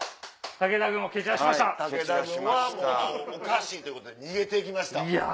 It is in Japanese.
武田軍はもうおかしいということで逃げて行きました。